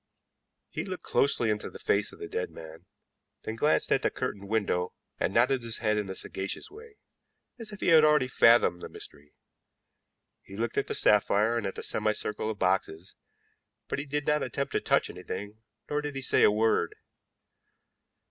He looked closely into the face of the dead man, then glanced at the curtained window, and nodded his head in a sagacious way, as if he had already fathomed the mystery. He looked at the sapphire and at the semicircle of boxes, but he did not attempt to touch anything, nor did he say a word.